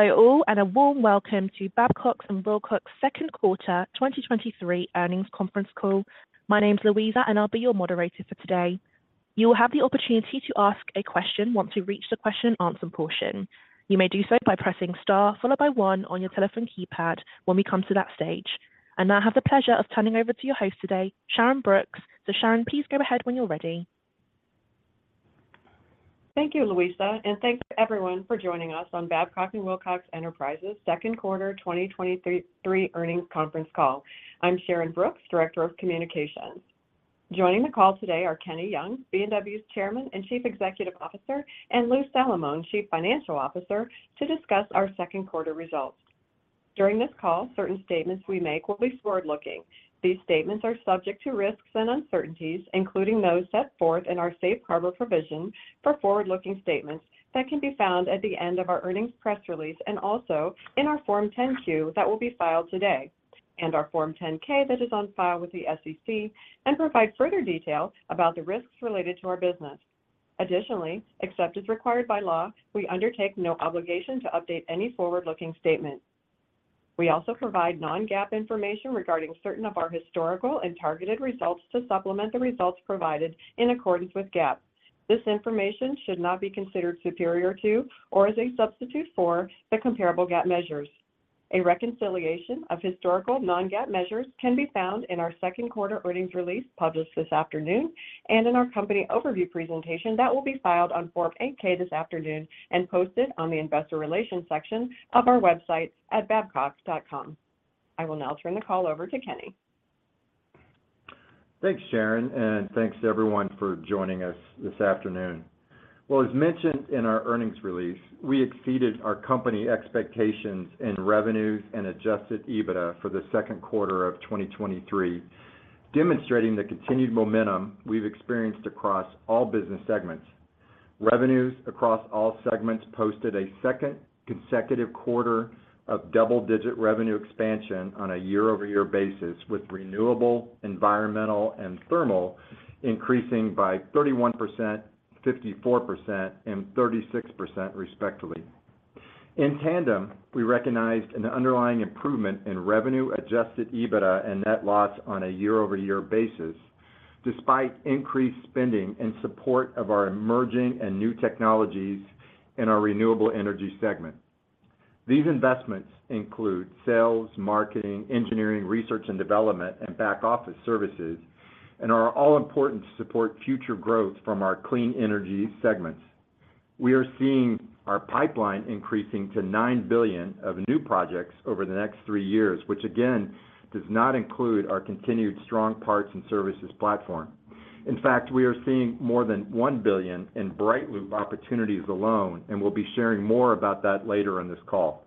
Hello all, a warm welcome to Babcock & Wilcox second quarter 2023 earnings conference call. My name is Louisa, I'll be your moderator for today. You will have the opportunity to ask a question once we reach the question and answer portion. You may do so by pressing star, followed by one on your telephone keypad when we come to that stage. I now have the pleasure of turning over to your host today, Sharyn Brooks. Sharyn, please go ahead when you're ready. Thank you, Louisa, and thanks to everyone for joining us on Babcock & Wilcox Enterprises second quarter 2023 earnings conference call. I'm Sharyn Brooks, Director of Communications. Joining the call today are Kenny Young, B&W's Chairman and Chief Executive Officer, and Louis Salamone, Chief Financial Officer, to discuss our second quarter results. During this call, certain statements we make will be forward-looking. These statements are subject to risks and uncertainties, including those set forth in our safe harbor provision for forward-looking statements that can be found at the end of our earnings press release and also in our Form 10-Q that will be filed today, and our Form 10-K, that is on file with the SEC, and provide further detail about the risks related to our business. Additionally, except as required by law, we undertake no obligation to update any forward-looking statement. We also provide non-GAAP information regarding certain of our historical and targeted results to supplement the results provided in accordance with GAAP. This information should not be considered superior to or as a substitute for the comparable GAAP measures. A reconciliation of historical non-GAAP measures can be found in our second quarter earnings release, published this afternoon, and in our company overview presentation that will be filed on Form 8-K this afternoon and posted on the Investor Relations section of our website at babcock.com. I will now turn the call over to Kenny. Thanks, Sharyn, and thanks to everyone for joining us this afternoon. Well, as mentioned in our earnings release, we exceeded our company expectations in revenues and Adjusted EBITDA for the second quarter of 2023, demonstrating the continued momentum we've experienced across all business segments. Revenues across all segments posted a second consecutive quarter of double-digit revenue expansion on a year-over-year basis, with renewable, environmental, and thermal increasing by 31%, 54%, and 36%, respectively. In tandem, we recognized an underlying improvement in revenue, Adjusted EBITDA and net loss on a year-over-year basis, despite increased spending in support of our emerging and new technologies in our Renewable segment. These investments include sales, marketing, engineering, research and development, and back office services, and are all important to support future growth from our clean energy segments. We are seeing our pipeline increasing to $9 billion of new projects over the next three years, which again, does not include our continued strong parts and services platform. In fact, we are seeing more than $1 billion in BrightLoop opportunities alone. We'll be sharing more about that later in this call.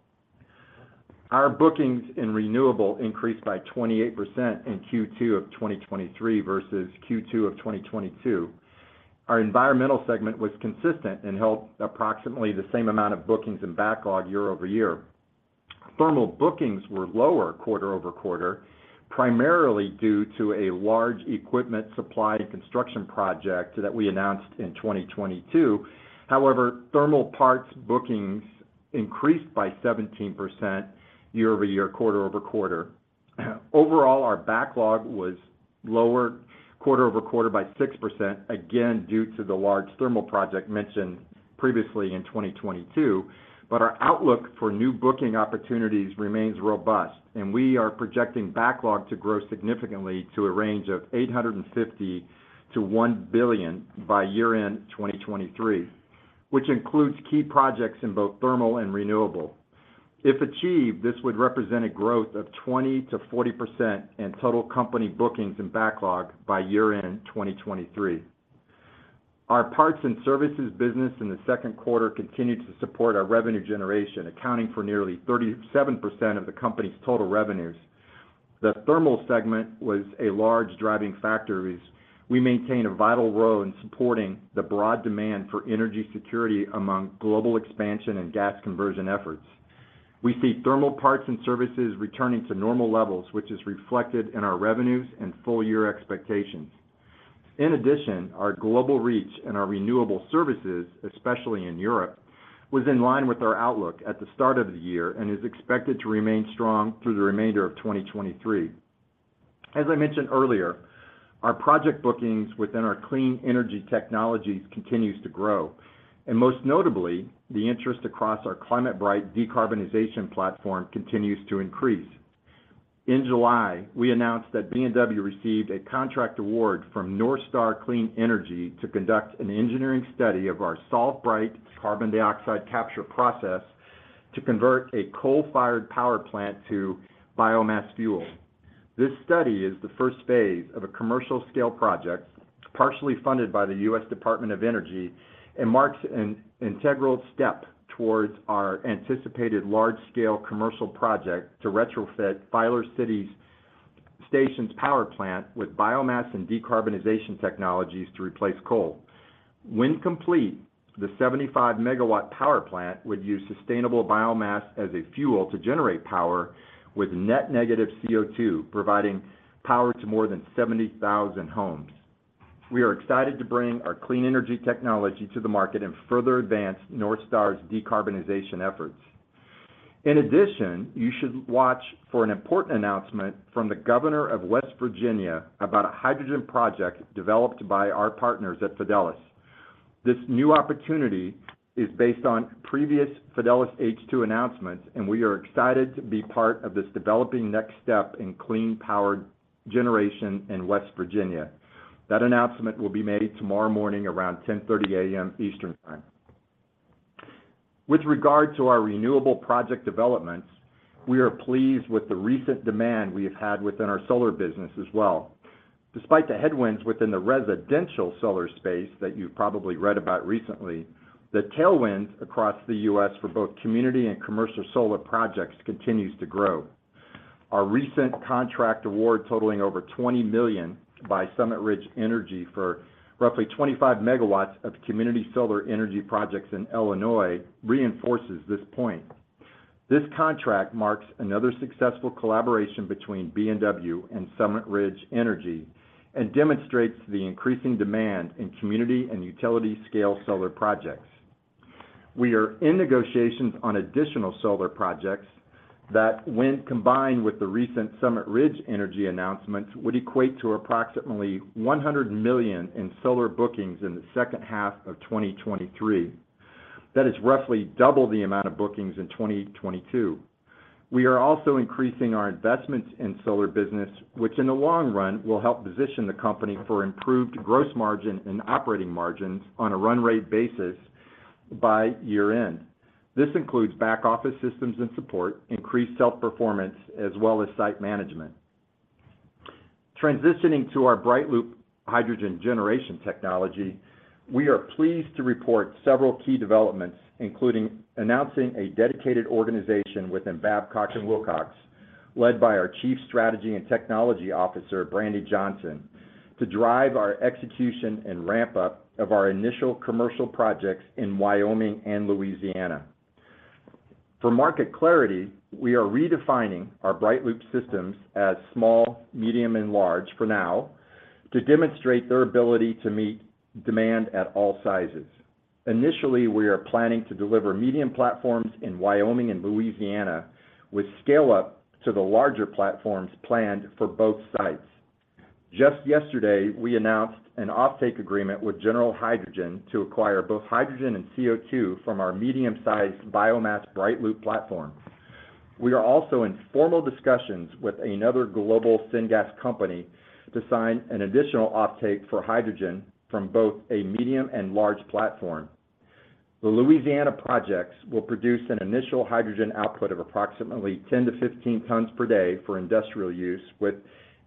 Our bookings in Renewable increased by 28% in Q2 of 2023 versus Q2 of 2022. Our Environmental segment was consistent and held approximately the same amount of bookings and backlog year-over-year. Thermal bookings were lower quarter-over-quarter, primarily due to a large equipment supply and construction project that we announced in 2022. However, Thermal parts bookings increased by 17% year-over-year, quarter-over-quarter. Overall, our backlog was lower quarter-over-quarter by 6%, again, due to the large Thermal project mentioned previously in 2022. Our outlook for new booking opportunities remains robust, and we are projecting backlog to grow significantly to a range of $850 million-$1 billion by year-end 2023, which includes key projects in both Thermal and Renewable. If achieved, this would represent a growth of 20%-40% in total company bookings and backlog by year-end 2023. Our parts and services business in the second quarter continued to support our revenue generation, accounting for nearly 37% of the company's total revenues. The Thermal segment was a large driving factor, as we maintain a vital role in supporting the broad demand for energy security among global expansion and gas conversion efforts. We see Thermal parts and services returning to normal levels, which is reflected in our revenues and full year expectations. In addition, our global reach and our renewable services, especially in Europe, was in line with our outlook at the start of the year and is expected to remain strong through the remainder of 2023. As I mentioned earlier, our project bookings within our clean energy technologies continues to grow, and most notably, the interest across our ClimateBright decarbonization platform continues to increase. In July, we announced that B&W received a contract award from NorthStar Clean Energy to conduct an engineering study of our SolveBright carbon dioxide capture process to convert a coal-fired power plant to biomass fuel. This study is the first phase of a commercial scale project, partially funded by the U.S. Department of Energy, and marks an integral step towards our anticipated large-scale commercial project to retrofit Filer City's station's power plant with biomass and decarbonization technologies to replace coal. When complete, the 75 megawatt power plant would use sustainable biomass as a fuel to generate power with net negative CO2, providing power to more than 70,000 homes. We are excited to bring our clean energy technology to the market and further advance NorthStar's decarbonization efforts. In addition, you should watch for an important announcement from the Governor of West Virginia about a hydrogen project developed by our partners at Fidelis. This new opportunity is based on previous Fidelis H2 announcements, and we are excited to be part of this developing next step in clean powered generation in West Virginia. That announcement will be made tomorrow morning around 10:30 A.M. Eastern Time. With regard to our renewable project developments, we are pleased with the recent demand we have had within our solar business as well. Despite the headwinds within the residential solar space that you've probably read about recently, the tailwinds across the U.S. for both community and commercial solar projects continues to grow. Our recent contract award totaling $20 million by Summit Ridge Energy for roughly 25 megawatts of community solar energy projects in Illinois reinforces this point. This contract marks another successful collaboration between B&W and Summit Ridge Energy, and demonstrates the increasing demand in community and utility-scale solar projects. We are in negotiations on additional solar projects that, when combined with the recent Summit Ridge Energy announcements, would equate to approximately $100 million in solar bookings in the second half of 2023. That is roughly double the amount of bookings in 2022. We are also increasing our investments in solar business, which in the long run, will help position the company for improved gross margin and operating margins on a run rate basis by year-end. This includes back-office systems and support, increased self-performance, as well as site management. Transitioning to our BrightLoop hydrogen generation technology, we are pleased to report several key developments, including announcing a dedicated organization within Babcock & Wilcox, led by our Chief Strategy and Technology Officer, Brandy Johnson, to drive our execution and ramp-up of our initial commercial projects in Wyoming and Louisiana. For market clarity, we are redefining our BrightLoop systems as small, medium, and large for now, to demonstrate their ability to meet demand at all sizes. Initially, we are planning to deliver medium platforms in Wyoming and Louisiana, with scale-up to the larger platforms planned for both sites. Just yesterday, we announced an offtake agreement with General Hydrogen to acquire both hydrogen and CO2 from our medium-sized biomass BrightLoop platform. We are also in formal discussions with another global syngas company to sign an additional offtake for hydrogen from both a medium and large platform. The Louisiana projects will produce an initial hydrogen output of approximately 10-15 tons per day for industrial use, with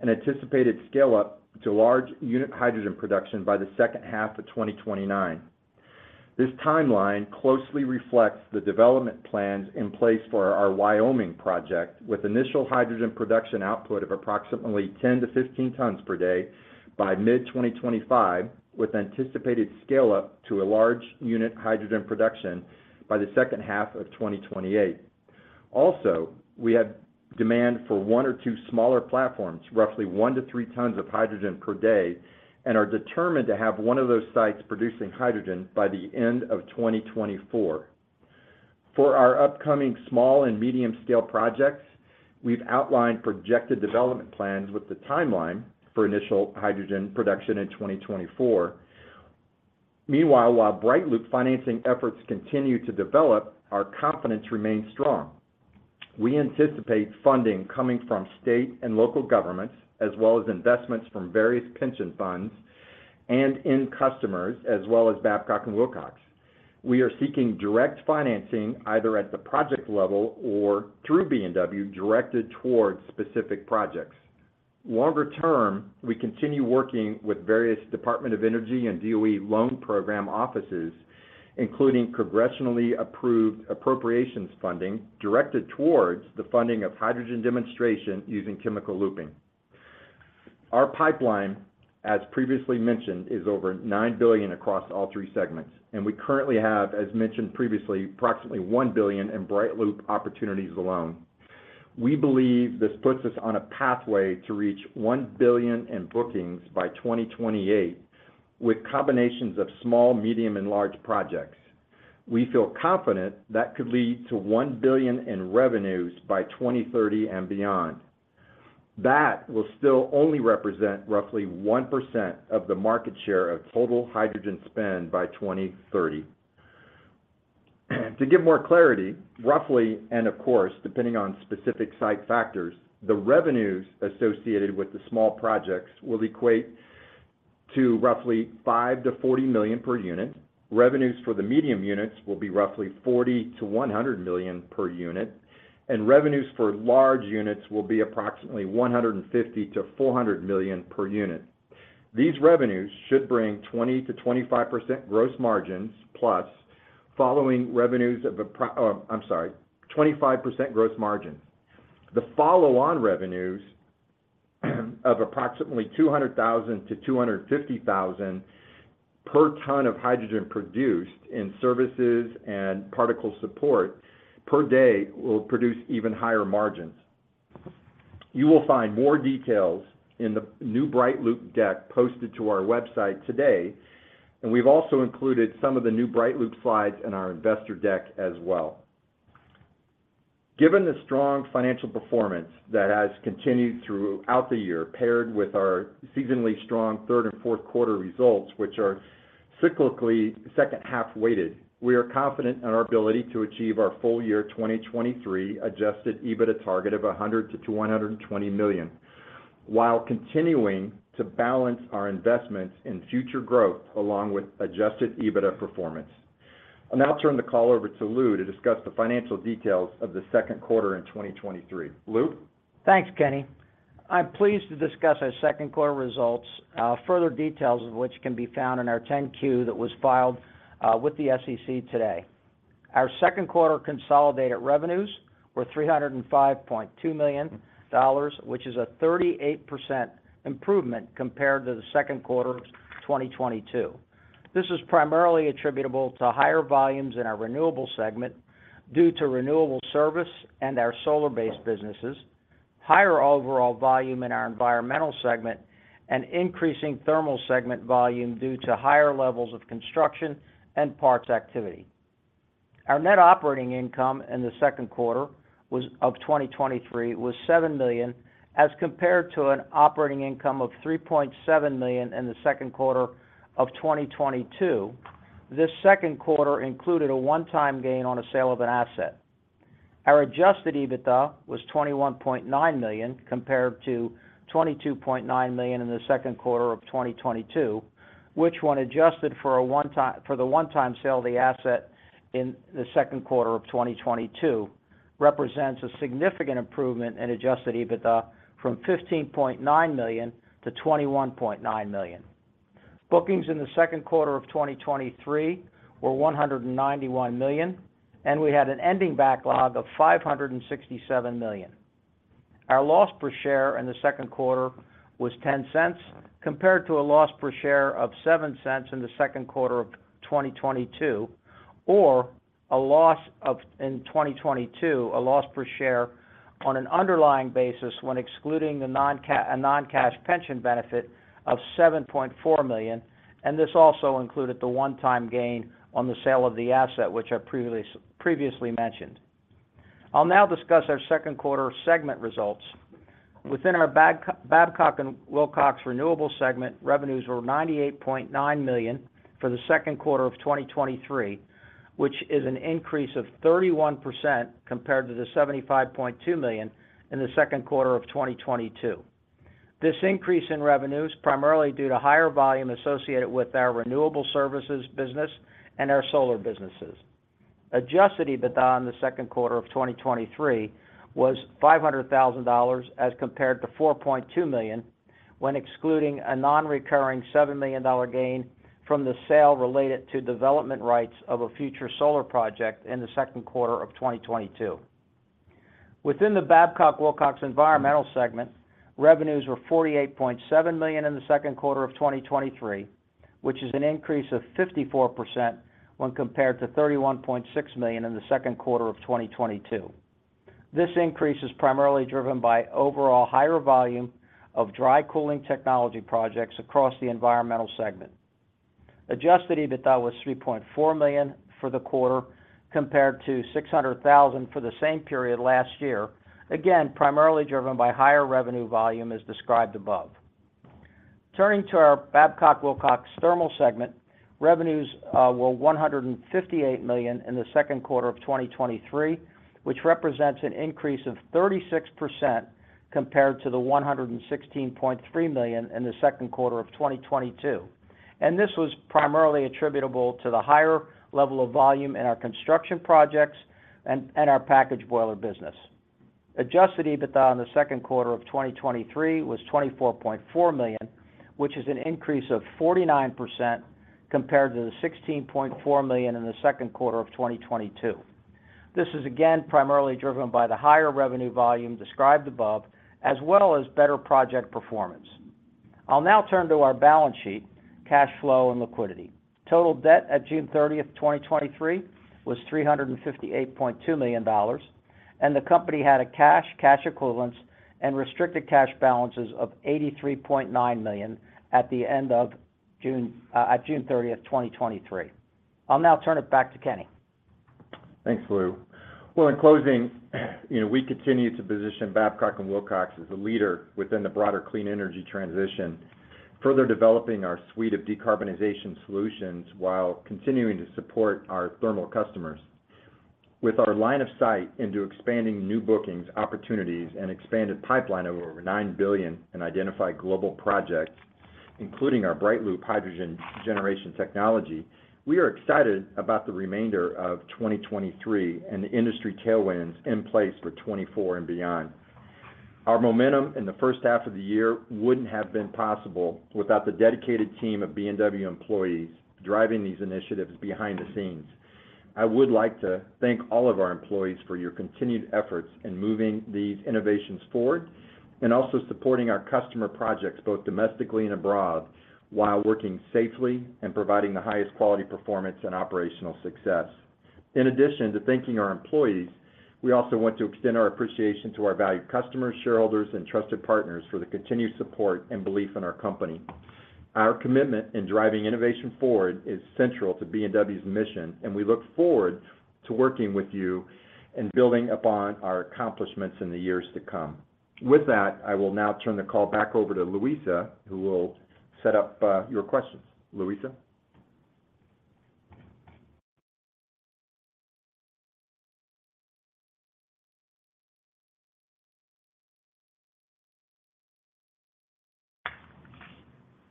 an anticipated scale-up to large unit hydrogen production by the second half of 2029. This timeline closely reflects the development plans in place for our Wyoming project, with initial hydrogen production output of approximately 10-15 tons per day by mid-2025, with anticipated scale up to a large unit hydrogen production by the second half of 2028. We have demand for one or two smaller platforms, roughly 1-3 tons of hydrogen per day, and are determined to have one of those sites producing hydrogen by the end of 2024. For our upcoming small and medium-scale projects, we've outlined projected development plans with the timeline for initial hydrogen production in 2024. Meanwhile, while BrightLoop financing efforts continue to develop, our confidence remains strong. We anticipate funding coming from state and local governments, as well as investments from various pension funds and end customers, as well as Babcock & Wilcox. We are seeking direct financing either at the project level or through B&W, directed towards specific projects. Longer term, we continue working with various Department of Energy and DOE loan program offices, including congressionally approved appropriations funding, directed towards the funding of hydrogen demonstration using chemical looping. Our pipeline, as previously mentioned, is over $9 billion across all three segments, and we currently have, as mentioned previously, approximately $1 billion in BrightLoop opportunities alone. We believe this puts us on a pathway to reach $1 billion in bookings by 2028, with combinations of small, medium, and large projects. We feel confident that could lead to $1 billion in revenues by 2030 and beyond. That will still only represent roughly 1% of the market share of total hydrogen spend by 2030. To give more clarity, roughly, and of course, depending on specific site factors, the revenues associated with the small projects will equate to roughly $5 million-$40 million per unit. Revenues for the medium units will be roughly $40 million-$100 million per unit, and revenues for large units will be approximately $150 million-$400 million per unit. These revenues should bring 20%-25% gross margins plus, I'm sorry, 25% gross margins. The follow-on revenues, of approximately $200,000-$250,000 per ton of hydrogen produced in services and particle support per day, will produce even higher margins. You will find more details in the new BrightLoop deck posted to our website today, and we've also included some of the new BrightLoop slides in our investor deck as well. Given the strong financial performance that has continued throughout the year, paired with our seasonally strong third and fourth quarter results, which are cyclically second half weighted, we are confident in our ability to achieve our full year 2023 Adjusted EBITDA target of $100 million-$120 million, while continuing to balance our investments in future growth along with Adjusted EBITDA performance. I'll now turn the call over to Lou to discuss the financial details of the second quarter in 2023. Lou? Thanks, Kenny. I'm pleased to discuss our second quarter results, further details of which can be found in our 10-Q that was filed with the SEC today. Our second quarter consolidated revenues were $305.2 million, which is a 38% improvement compared to the second quarter of 2022. This is primarily attributable to higher volumes in our Renewable segment due to Renewable Service and our solar-based businesses, higher overall volume in our Environmental segment, and increasing Thermal segment volume due to higher levels of construction and parts activity. Our net operating income in the second quarter of 2023 was $7 million, as compared to an operating income of $3.7 million in the second quarter of 2022. This second quarter included a one-time gain on a sale of an asset. Our adjusted EBITDA was $21.9 million, compared to $22.9 million in the second quarter of 2022, which, when adjusted for the one-time sale of the asset in the second quarter of 2022, represents a significant improvement in adjusted EBITDA from $15.9 million-$21.9 million. Bookings in the second quarter of 2023 were $191 million, we had an ending backlog of $567 million. Our loss per share in the second quarter was $0.10, compared to a loss per share of $0.07 in the second quarter of 2022, or in 2022, a loss per share on an underlying basis when excluding a non-cash pension benefit of $7.4 million, and this also included the one-time gain on the sale of the asset, which I previously, previously mentioned. I'll now discuss our second quarter segment results. Within our Babcock & Wilcox Renewable segment, revenues were $98.9 million for the second quarter of 2023, which is an increase of 31% compared to the $75.2 million in the second quarter of 2022. This increase in revenue is primarily due to higher volume associated with our Renewable Service business and our solar businesses. Adjusted EBITDA in the second quarter of 2023 was $500,000, as compared to $4.2 million, when excluding a non-recurring $7 million gain from the sale related to development rights of a future solar project in the second quarter of 2022. Within the Babcock & Wilcox Environmental segment, revenues were $48.7 million in the second quarter of 2023, which is an increase of 54% when compared to $31.6 million in the second quarter of 2022. This increase is primarily driven by overall higher volume of dry cooling technology projects across the environmental segment. Adjusted EBITDA was $3.4 million for the quarter, compared to $600,000 for the same period last year, again, primarily driven by higher revenue volume, as described above. Turning to our Babcock & Wilcox Thermal segment, revenues were $158 million in the second quarter of 2023, which represents an increase of 36% compared to the $116.3 million in the second quarter of 2022. This was primarily attributable to the higher level of volume in our construction projects and our package boiler business. Adjusted EBITDA in the second quarter of 2023 was $24.4 million, which is an increase of 49% compared to the $16.4 million in the second quarter of 2022. This is again, primarily driven by the higher revenue volume described above, as well as better project performance. I'll now turn to our balance sheet, cash flow, and liquidity. Total debt at June 30th, 2023, was $358.2 million, and the company had a cash, cash equivalents and restricted cash balances of $83.9 million at the end of June, at June 30th, 2023. I'll now turn it back to Kenny. Thanks, Lou. Well, in closing, you know, we continue to position Babcock & Wilcox as a leader within the broader clean energy transition, further developing our suite of decarbonization solutions while continuing to support our thermal customers. With our line of sight into expanding new bookings, opportunities, and expanded pipeline of over $9 billion in identified global projects, including our BrightLoop hydrogen generation technology, we are excited about the remainder of 2023 and the industry tailwinds in place for 2024 and beyond. Our momentum in the first half of the year wouldn't have been possible without the dedicated team of B&W employees driving these initiatives behind the scenes. I would like to thank all of our employees for your continued efforts in moving these innovations forward and also supporting our customer projects, both domestically and abroad, while working safely and providing the highest quality, performance and operational success. In addition to thanking our employees, we also want to extend our appreciation to our valued customers, shareholders, and trusted partners for the continued support and belief in our company. Our commitment in driving innovation forward is central to B&W's mission, and we look forward to working with you and building upon our accomplishments in the years to come. With that, I will now turn the call back over to Louisa, who will set up your questions. Louisa?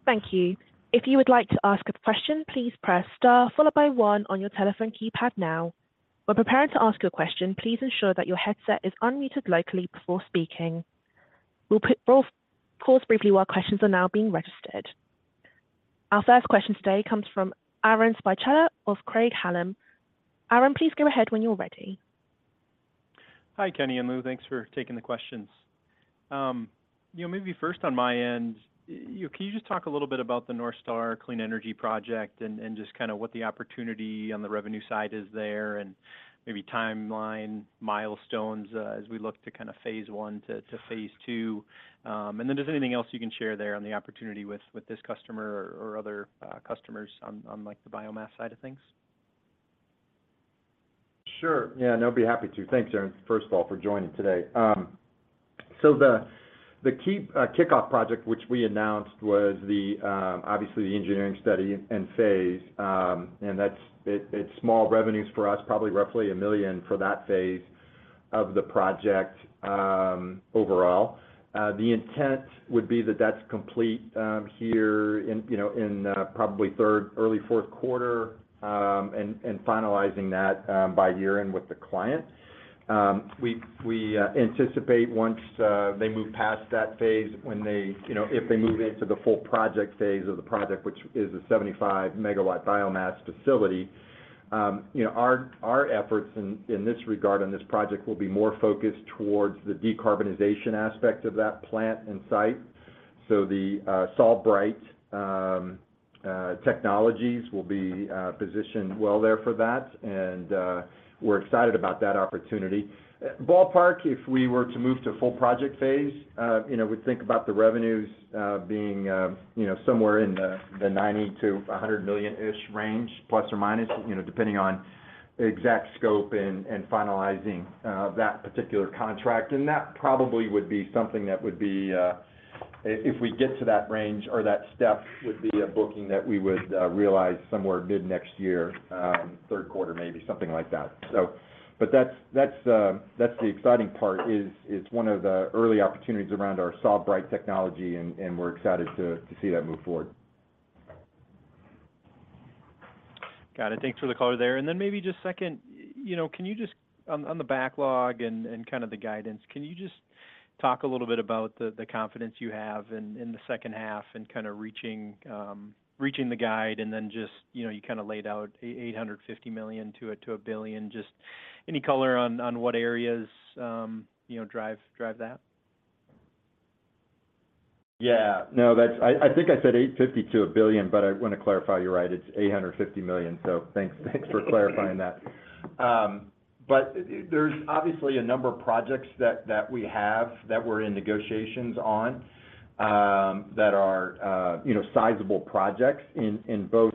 Thank you. If you would like to ask a question, please press star followed by one on your telephone keypad now. When preparing to ask your question, please ensure that your headset is unmuted locally before speaking. We'll pause briefly while questions are now being registered. Our first question today comes from Aaron Spychalla of Craig-Hallum. Aaron, please go ahead when you're ready. Hi, Kenny Young and Louis Salamone. Thanks for taking the questions. You know, maybe first on my end, you know, can you just talk a little bit about the NorthStar Clean Energy project and, and just kind of what the opportunity on the revenue side is there, and maybe timeline, milestones, as we look to kind of phase one to phase two? If there's anything else you can share there on the opportunity with, with this customer or, or other, customers on, on, like, the biomass side of things? Sure. Yeah, no, I'd be happy to. Thanks, Aaron, first of all, for joining today. The key kickoff project, which we announced, was the, obviously, the engineering study and phase, and that's it, it's small revenues for us, probably $1 million for that phase of the project, overall. The intent would be that that's complete here in, you know, in probably third, early fourth quarter, and finalizing that by year-end with the client. We, we anticipate once they move past that phase, when they, you know, if they move into the full project phase of the project, which is a 75 megawatt biomass facility, you know, our, our efforts in, in this regard on this project will be more focused towards the decarbonization aspect of that plant and site. The SolveBright technologies will be positioned well there for that, and we're excited about that opportunity. Ballpark, if we were to move to full project phase, you know, we'd think about the revenues being, you know, somewhere in the $90 million-$100 million-ish range, ±, you know, depending on the exact scope and, and finalizing that particular contract. That probably would be something that would be if we get to that range or that step, would be a booking that we would realize somewhere mid-next year, 3rd quarter, maybe something like that. But that's, that's, that's the exciting part, is, it's one of the early opportunities around our SolveBright technology, and, and we're excited to, to see that move forward. Got it. Thanks for the color there. Maybe just second, you know, can you just on, on the backlog and, and kind of the guidance, can you just talk a little bit about the, the confidence you have in, in the second half and kind of reaching, reaching the guide, just, you know, you kind of laid out $850 million-$1 billion. Just any color on, on what areas, you know, drive, drive that? Yeah. No, that's. I, I think I said $850 million to $1 billion, I want to clarify, you're right, it's $850 million, so thanks, thanks for clarifying that. There's obviously a number of projects that we have, that we're in negotiations on, that are, you know, sizable projects in both,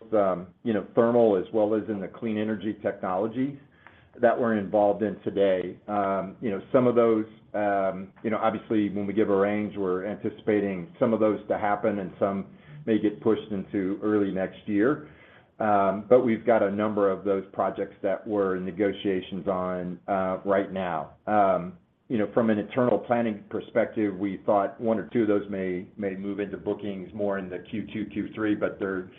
you know, thermal as well as in the clean energy technologies that we're involved in today. You know, some of those. You know, obviously, when we give a range, we're anticipating some of those to happen, and some may get pushed into early next year. We've got a number of those projects that we're in negotiations on right now. You know, from an internal planning perspective, we thought one or two of those may, may move into bookings more in the Q2, Q3, but they're,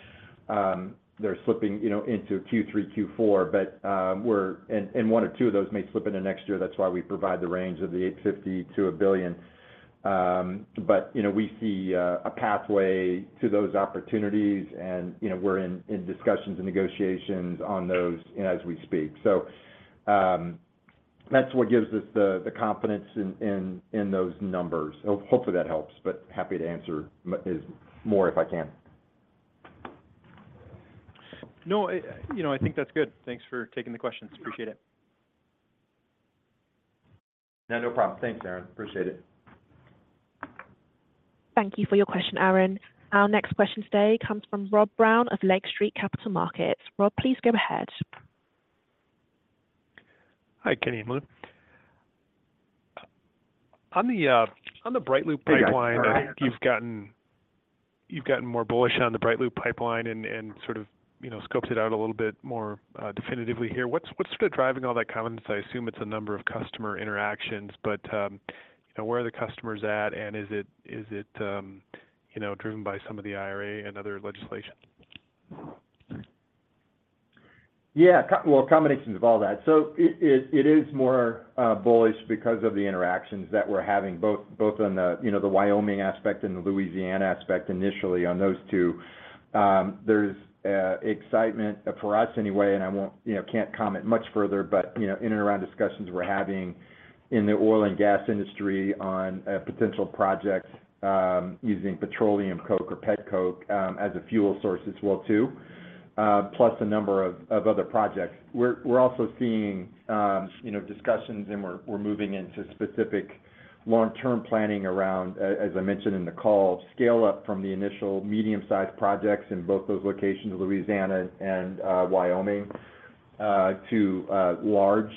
they're slipping, you know, into Q3, Q4. And, and one or two of those may slip into next year. That's why we provide the range of the $850 million to $1 billion. But, you know, we see, a pathway to those opportunities, and, you know, we're in, in discussions and negotiations on those as we speak. That's what gives us the, the confidence in, in, in those numbers. Hopefully, that helps, but happy to answer as more if I can. No, I, you know, I think that's good. Thanks for taking the questions. Appreciate it. Yeah, no problem. Thanks, Aaron. Appreciate it. Thank you for your question, Aaron. Our next question today comes from Rob Brown of Lake Street Capital Markets. Rob, please go ahead. Hi, Kenny and Lou. On the, on the BrightLoop pipeline... Hi, Rob. I think you've gotten, you've gotten more bullish on the BrightLoop pipeline and, and sort of, you know, scoped it out a little bit more, definitively here. What's, what's sort of driving all that confidence? I assume it's a number of customer interactions, but, you know, where are the customers at, and is it, is it, you know, driven by some of the IRA and other legislation? Yeah, well, combinations of all that. It, it, it is more bullish because of the interactions that we're having both, both on the, you know, the Wyoming aspect and the Louisiana aspect initially on those two. There's excitement for us anyway, and I won't, you know, can't comment much further, but, you know, in and around discussions we're having in the oil and gas industry on potential projects using petroleum coke or pet coke as a fuel source as well, too. Plus a number of, of other projects. We're, we're also seeing, you know, discussions, and we're, we're moving into specific long-term planning around, as I mentioned in the call, scale-up from the initial medium-sized projects in both those locations, Louisiana and Wyoming, to large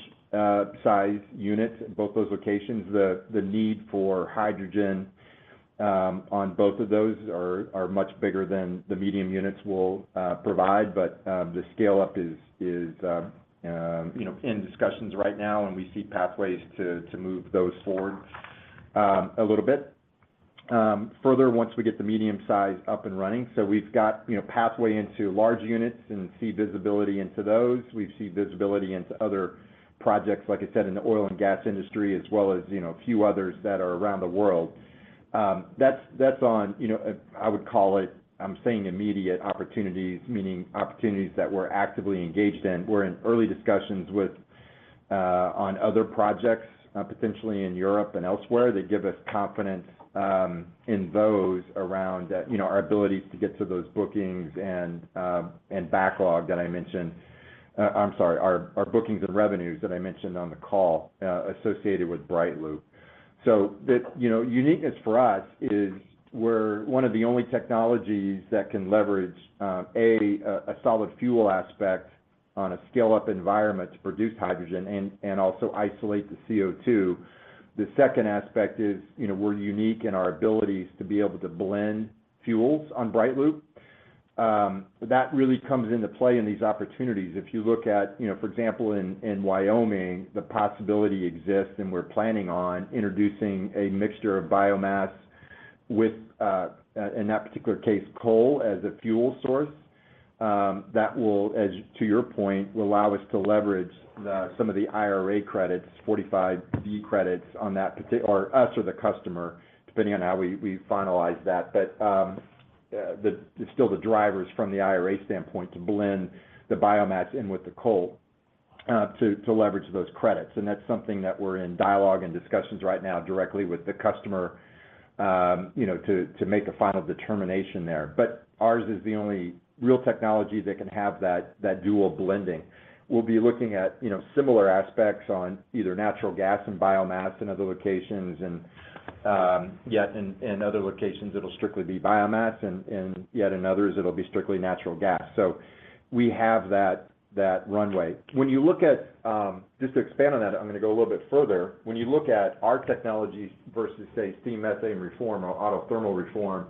size units in both those locations. The need for hydrogen on both of those are much bigger than the medium units will provide, but the scale-up is, is, you know, in discussions right now, and we see pathways to move those forward a little bit. Further, once we get the medium size up and running. We've got, you know, pathway into large units and see visibility into those. We see visibility into other projects, like I said, in the oil and gas industry, as well as, you know, a few others that are around the world. That's, that's on, you know, I would call it, I'm saying immediate opportunities, meaning opportunities that we're actively engaged in. We're in early discussions with, on other projects, potentially in Europe and elsewhere, that give us confidence, in those around, you know, our abilities to get to those bookings and, and backlog that I mentioned. I'm sorry, our, our bookings and revenues that I mentioned on the call, associated with BrightLoop. The, you know, uniqueness for us is we're one of the only technologies that can leverage, A, a, a solid fuel aspect on a scale-up environment to produce hydrogen and, and also isolate the CO2. The second aspect is, you know, we're unique in our abilities to be able to blend fuels on BrightLoop. That really comes into play in these opportunities. If you look at, you know, for example, in Wyoming, the possibility exists, and we're planning on introducing a mixture of biomass with, in that particular case, coal as a fuel source. That will, as to your point, will allow us to leverage some of the IRA credits, 45B credits on that or us or the customer, depending on how we finalize that. Still the drivers from the IRA standpoint, to blend the biomass in with the coal, to leverage those credits. That's something that we're in dialogue and discussions right now directly with the customer, you know, to make a final determination there. Ours is the only real technology that can have that, that dual blending. We'll be looking at, you know, similar aspects on either natural gas and biomass in other locations, and yet in other locations, it'll strictly be biomass, and yet in others, it'll be strictly natural gas. We have that, that runway. When you look at. Just to expand on that, I'm gonna go a little bit further. When you look at our technologies versus, say, steam methane reform or auto thermal reform,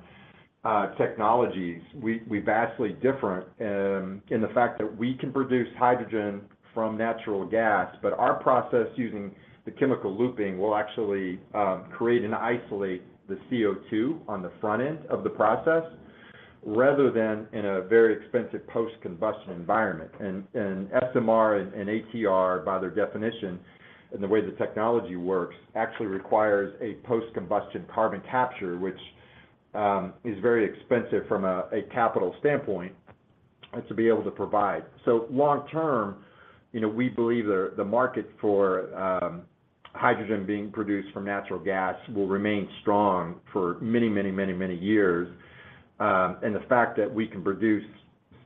technologies, we're vastly different, in the fact that we can produce hydrogen from natural gas, but our process using the chemical looping, will actually, create and isolate the CO2 on the front end of the process, rather than in a very expensive post-combustion environment. SMR and ATR, by their definition, and the way the technology works, actually requires a post-combustion carbon capture, which is very expensive from a capital standpoint, and to be able to provide. Long term, you know, we believe the market for hydrogen being produced from natural gas will remain strong for many, many, many, many years. The fact that we can produce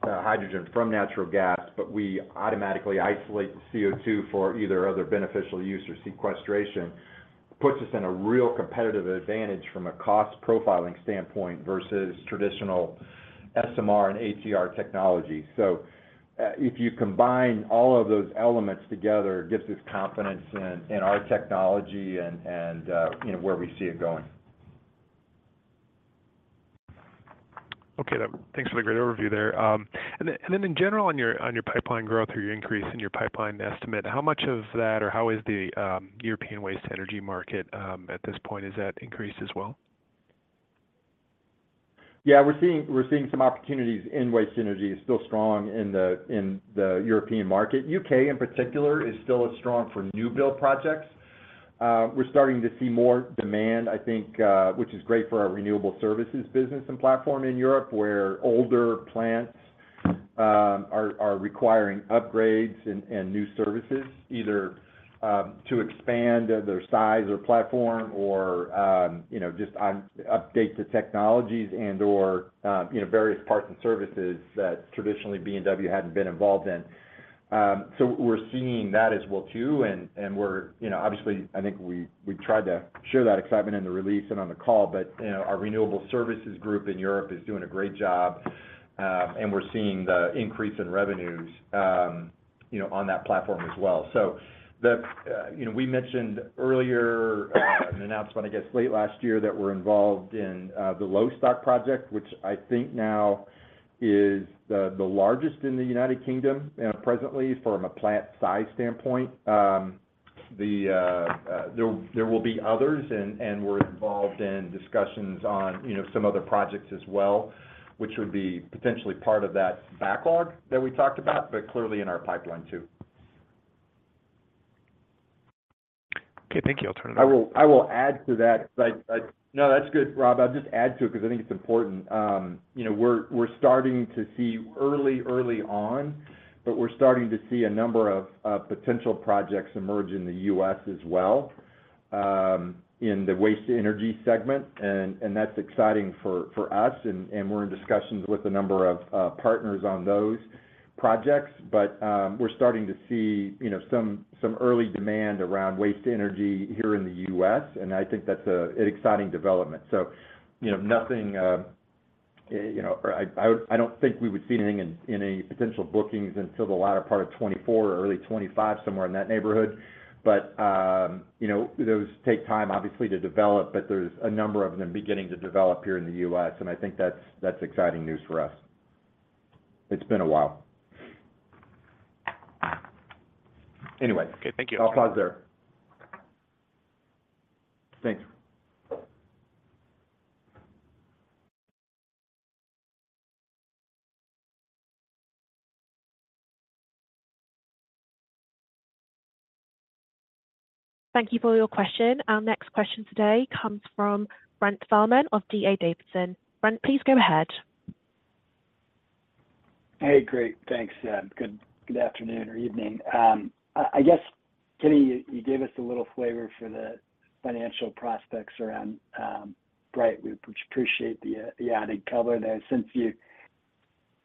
hydrogen from natural gas, but we automatically isolate the CO2 for either other beneficial use or sequestration, puts us in a real competitive advantage from a cost profiling standpoint versus traditional SMR and ATR technology. If you combine all of those elements together, it gives us confidence in our technology and, you know, where we see it going. Okay, thanks for the great overview there. Then, and then in general, on your, on your pipeline growth or your increase in your pipeline estimate, how much of that or how is the European waste energy market at this point? Has that increased as well? Yeah, we're seeing some opportunities in waste energy. It's still strong in the European market. U.K., in particular, is still as strong for new build projects. We're starting to see more demand, I think, which is great for our Renewable Service business and platform in Europe, where older plants are requiring upgrades and new services, either to expand their size or platform or, you know, just on update to technologies and, or, you know, various parts and services that traditionally B&W hadn't been involved in. We're seeing that as well, too, and, and we're, you know, obviously, I think we, we've tried to share that excitement in the release and on the call, but, you know, our Renewable services group in Europe is doing a great job, and we're seeing the increase in revenues, you know, on that platform as well. The, you know, we mentioned earlier, an announcement, I guess, late last year, that we're involved in the Lostock project, which I think now is the, the largest in the United Kingdom, presently, from a plant size standpoint. The, there, there will be others, and, and we're involved in discussions on, you know, some other projects as well, which would be potentially part of that backlog that we talked about, but clearly in our pipeline, too. Okay, thank you. I'll turn it over. I will, I will add to that, but I No, that's good, Rob. I'll just add to it because I think it's important. You know, we're, we're starting to see early, early on, but we're starting to see a number of potential projects emerge in the U.S. as well. in the waste-to-energy segment, and, and that's exciting for, for us, and, and we're in discussions with a number of partners on those projects. We're starting to see, you know, some, some early demand around waste-to-energy here in the U.S., and I think that's an exciting development. You know, nothing, or I, I, I don't think we would see anything in, in any potential bookings until the latter part of 2024 or early 2025, somewhere in that neighborhood. You know, those take time, obviously, to develop, but there's a number of them beginning to develop here in the U.S., and I think that's, that's exciting news for us. It's been a while. Anyway- Okay, thank you. I'll pause there. Thanks. Thank you for your question. Our next question today comes from Brent Thielman of D.A. Davidson. Brent, please go ahead. Hey, great. Thanks, good, good afternoon or evening. I guess, Kenny, you, you gave us a little flavor for the financial prospects around Bright. We appreciate the added color there. Since you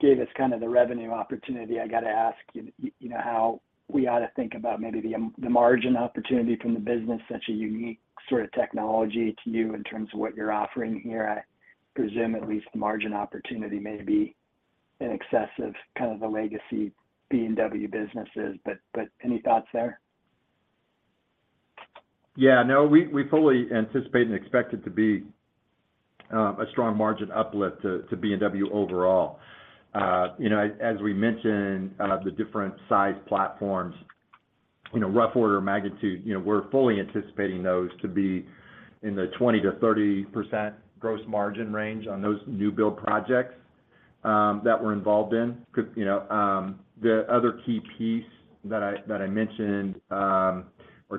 gave us kind of the revenue opportunity, I got to ask you, you know, how we ought to think about maybe the margin opportunity from the business, such a unique sort of technology to you in terms of what you're offering here. I presume at least the margin opportunity may be in excess of kind of the legacy B&W businesses, but, but any thoughts there? Yeah, no, we, we fully anticipate and expect it to be a strong margin uplift to B&W overall. you know, as, as we mentioned, the different size platforms, you know, rough order of magnitude, you know, we're fully anticipating those to be in the 20%-30% gross margin range on those new build projects that we're involved in. 'Cause, you know, the other key piece that I, that I mentioned, or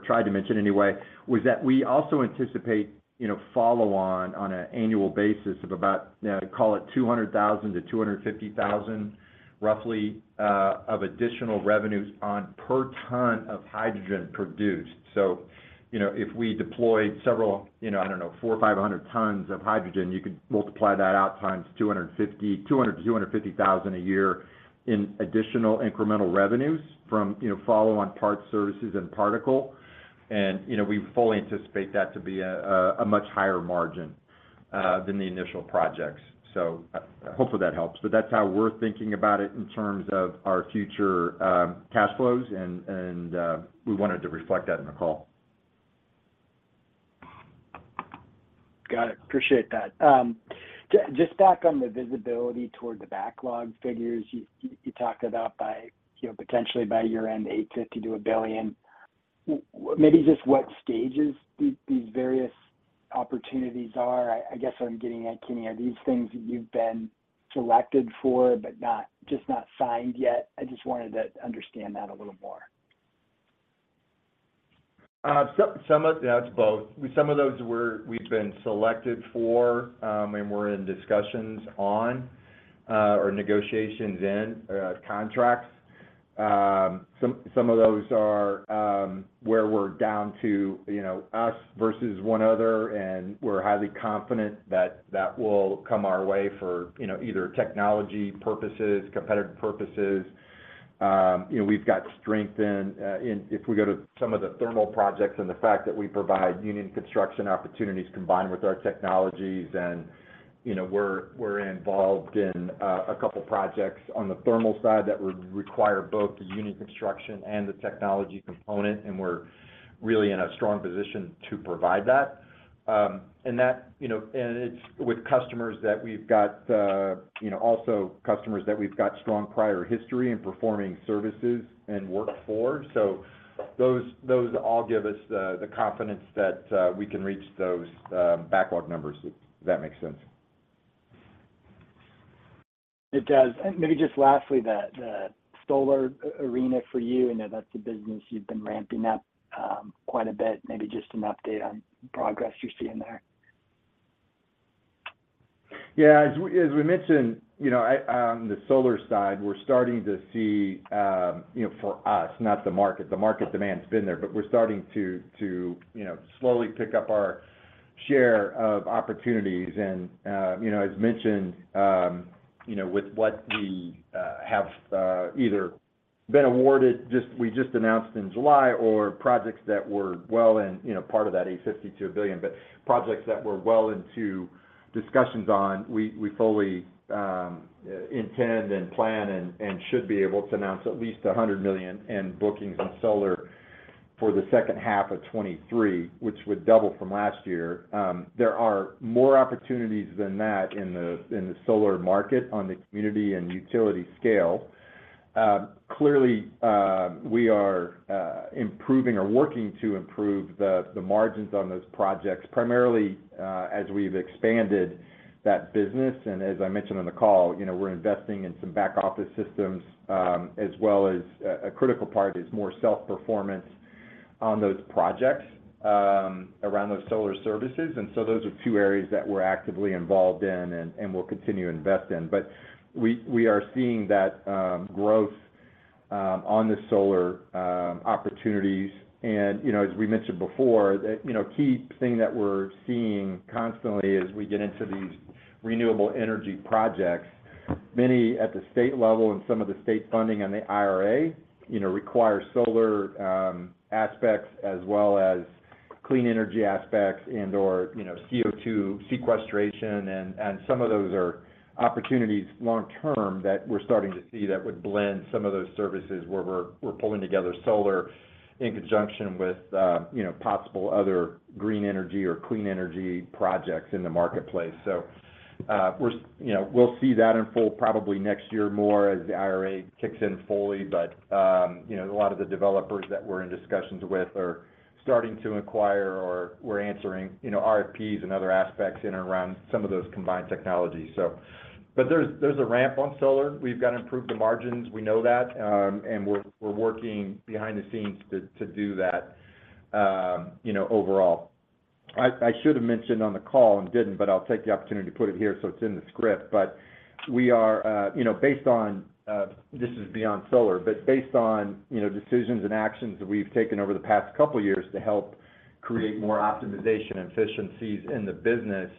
tried to mention anyway, was that we also anticipate, you know, follow-on on an annual basis of about, you know, call it $200,000-$250,000, roughly, of additional revenues on per ton of hydrogen produced. You know, if we deployed several, you know, I don't know, 400 or 500 tons of hydrogen, you could multiply that out times $200,000-$250,000 a year in additional incremental revenues from, you know, follow on parts, services, and particle. You know, we fully anticipate that to be a much higher margin than the initial projects. Hopefully that helps. That's how we're thinking about it in terms of our future cash flows, and, we wanted to reflect that in the call. Got it. Appreciate that. Just back on the visibility toward the backlog figures you, you talked about by, you know, potentially by year-end, $850 million-$1 billion. Maybe just what stages these, these various opportunities are? I, I guess what I'm getting at, Kenny, are these things that you've been selected for, but not just not signed yet? I just wanted to understand that a little more. Some, some of... Yeah, it's both. Some of those were- we've been selected for, and we're in discussions on, or negotiations in, contracts. Some, some of those are, where we're down to, you know, us versus one other, and we're highly confident that that will come our way for, you know, either technology purposes, competitive purposes. You know, we've got strength in, if we go to some of the Thermal projects and the fact that we provide union construction opportunities combined with our technologies and, you know, we're, we're involved in, a couple projects on the Thermal side that would require both the union construction and the technology component, and we're really in a strong position to provide that. And that, you know... It's with customers that we've got, you know, also customers that we've got strong prior history in performing services and work for. Those, those all give us the, the confidence that we can reach those backlog numbers, if that makes sense. It does. Maybe just lastly, the, the solar arena for you, I know that's a business you've been ramping up, quite a bit. Maybe just an update on progress you're seeing there? Yeah, as we, as we mentioned, you know, I, the solar side, we're starting to see, you know, for us, not the market. The market demand's been there, but we're starting to, to, you know, slowly pick up our share of opportunities. As mentioned, you know, with what we have, either been awarded, just, we just announced in July, or projects that were well in, you know, part of that $850 million-$1 billion, but projects that we're well into discussions on, we, we fully, intend and plan and, and should be able to announce at least $100 million in bookings on solar for the second half of 2023, which would double from last year. There are more opportunities than that in the, in the solar market on the community and utility scale. Clearly, we are improving or working to improve the margins on those projects, primarily, as we've expanded that business. As I mentioned on the call, you know, we're investing in some back office systems, as well as a critical part is more self-performance on those projects, around those solar services. Those are two areas that we're actively involved in and we'll continue to invest in. We, we are seeing that on the solar opportunities. You know, as we mentioned before, the, you know, key thing that we're seeing constantly as we get into these renewable energy projects, many at the state level and some of the state funding on the IRA, you know, require solar aspects as well as clean energy aspects and/or, you know, CO2 sequestration. Some of those are opportunities long term that we're starting to see that would blend some of those services, where we're, we're pulling together solar in conjunction with, you know, possible other green energy or clean energy projects in the marketplace. We're, you know, we'll see that in full probably next year more as the IRA kicks in fully. You know, a lot of the developers that we're in discussions with are starting to acquire or we're answering, you know, RFPs and other aspects in and around some of those combined technologies. But there's, there's a ramp on solar. We've got to improve the margins. We know that, and we're, we're working behind the scenes to, to do that, you know, overall. I, I should have mentioned on the call and didn't, but I'll take the opportunity to put it here, so it's in the script. We are, you know, based on, this is beyond solar, but based on, you know, decisions and actions that we've taken over the past couple of years to help create more optimization and efficiencies in the business,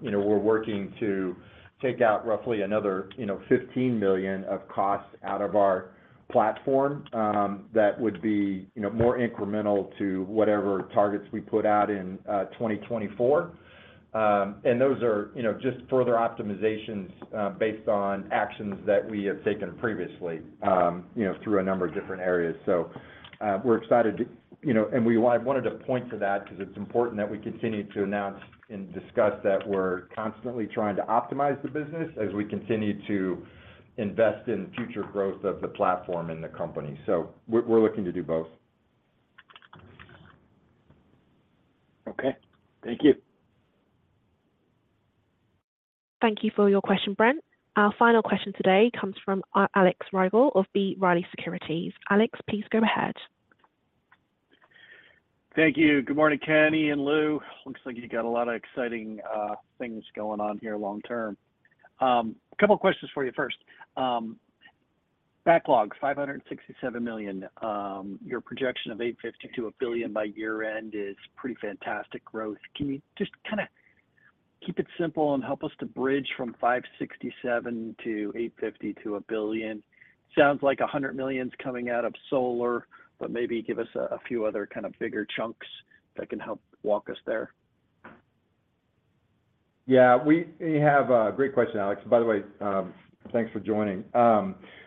you know, we're working to take out roughly another, you know, $15 million of costs out of our platform. That would be, you know, more incremental to whatever targets we put out in, 2024. Those are, you know, just further optimizations, based on actions that we have taken previously, you know, through a number of different areas. We're excited to... You know, we wanted to point to that because it's important that we continue to announce and discuss that we're constantly trying to optimize the business as we continue to invest in the future growth of the platform and the company. We're looking to do both. Okay, thank you. Thank you for your question, Brent. Our final question today comes from Alex Rygiel B. Riley Securities. Alex, please go ahead. Thank you. Good morning, Kenny and Lou. Looks like you got a lot of exciting things going on here long term. A couple of questions for you. First, backlog, $567 million. Your projection of $850 million-$1 billion by year-end is pretty fantastic growth. Can you just kind of keep it simple and help us to bridge from $567 million-$850 million-$1 billion? Sounds like $100 million is coming out of solar, but maybe give us a few other kind of bigger chunks that can help walk us there. Yeah, You have a great question, Alex. By the way, thanks for joining.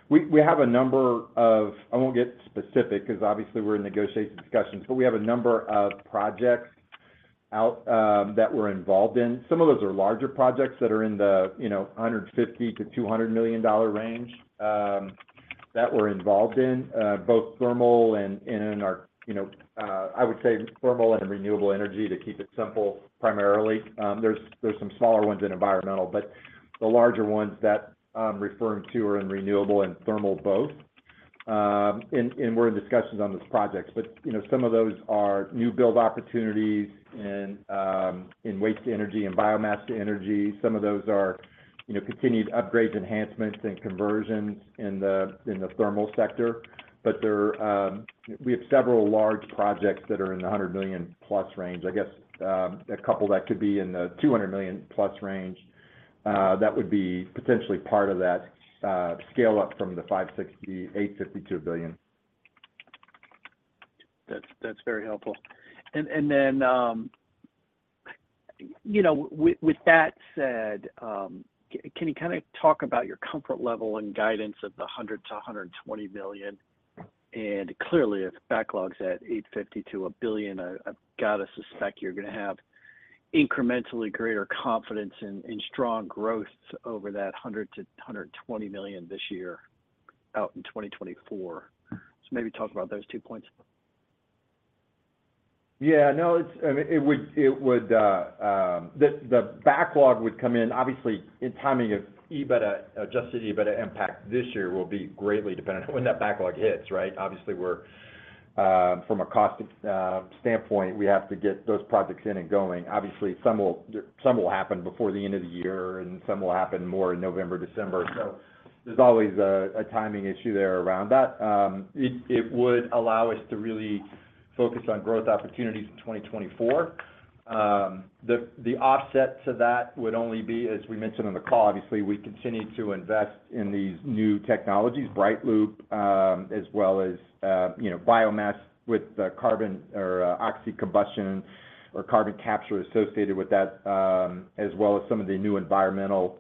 We, we have a number of... I won't get specific because obviously we're in negotiation discussions, but we have a number of projects out that we're involved in. Some of those are larger projects that are in the, you know, $150 million-$200 million range that we're involved in, both thermal and in our, you know, I would say thermal and renewable energy, to keep it simple, primarily. There's, there's some smaller ones in Environmental, but the larger ones that I'm referring to are in Renewable and Thermal both. And, and we're in discussions on those projects. But, you know, some of those are new build opportunities in waste-to-energy and biomass to energy. Some of those are, you know, continued upgrades, enhancements, and conversions in the, in the Thermal sector. There are, we have several large projects that are in the $100 million+ range. I guess, a couple that could be in the $200 million+ range, that would be potentially part of that, scale up from the $560, $850 billion-$1 billion. That's, that's very helpful. Then, you know, with, with that said, can you kind of talk about your comfort level and guidance of the $100 million-$120 million? Clearly, if backlog's at $850 million-$1 billion, I, I've got to suspect you're going to have incrementally greater confidence in, in strong growth over that $100 million-$120 million this year out in 2024. Maybe talk about those two points. Yeah. No, it's, I mean, it would, it would, the, the backlog would come in, obviously, in timing of EBITDA, Adjusted EBITDA impact this year will be greatly dependent on when that backlog hits, right? Obviously, we're, from a cost standpoint, we have to get those projects in and going. Obviously, some will, some will happen before the end of the year, and some will happen more in November, December. There's always a, a timing issue there around that. It, it would allow us to really focus on growth opportunities in 2024. The, the offset to that would only be, as we mentioned on the call, obviously, we continue to invest in these new technologies, BrightLoop, as well as, you know, biomass with the carbon or oxycombustion or carbon capture associated with that, as well as some of the new environmental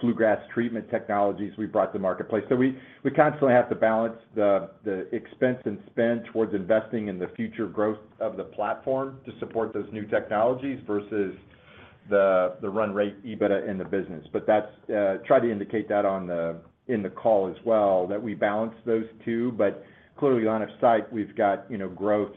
bluegrass treatment technologies we've brought to the marketplace. We, we constantly have to balance the, the expense and spend towards investing in the future growth of the platform to support those new technologies versus the, the run rate EBITDA in the business. That's, try to indicate that in the call as well, that we balance those two. Clearly, on a site, we've got, you know, growth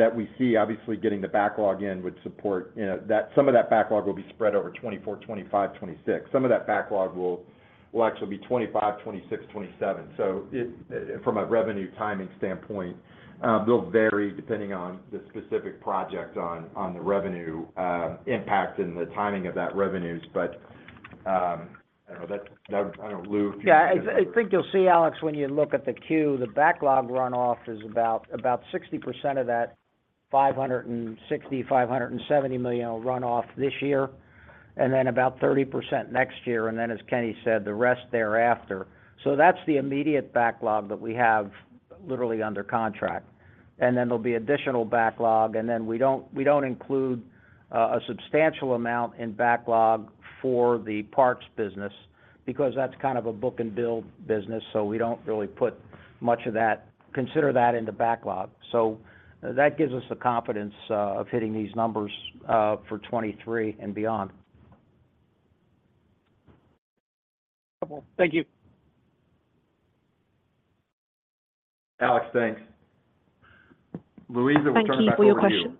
that we see. Obviously, getting the backlog in would support, you know... That some of that backlog will be spread over 2024, 2025, 2026. Some of that backlog will, will actually be 2025, 2026, 2027. It, from a revenue timing standpoint, they'll vary depending on the specific project on, on the revenue, impact and the timing of that revenues. I don't know. I don't know, Lou? Yeah, I, I think you'll see, Alex, when you look at the queue, the backlog runoff is about, about 60% of that $560 million-$570 million will run off this year, and then about 30% next year, and then, as Kenny said, the rest thereafter. That's the immediate backlog that we have literally under contract. There'll be additional backlog, and then we don't, we don't include a substantial amount in backlog for the parts business because that's kind of a book-and-build business, so we don't really consider that in the backlog. That gives us the confidence of hitting these numbers for 2023 and beyond. Okay. Thank you. Alex, thanks. Louisa, we'll turn it back over to you. Thank you for your question.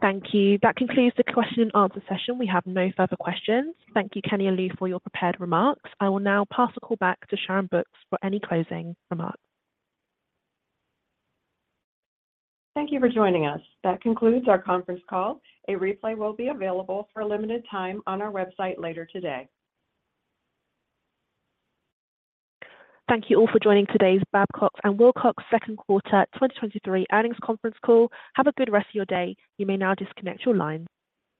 Thank you. That concludes the question and answer session. We have no further questions. Thank you, Kenny and Lou, for your prepared remarks. I will now pass the call back to Sharyn Brooks for any closing remarks. Thank you for joining us. That concludes our conference call. A replay will be available for a limited time on our website later today. Thank you all for joining today's Babcock & Wilcox second quarter 2023 earnings conference call. Have a good rest of your day. You may now disconnect your line.